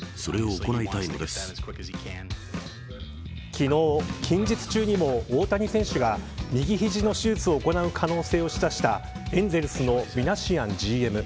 昨日、近日中にも大谷選手が右肘の手術を行う可能性を示唆したエンゼルスのミナシアンＧＭ。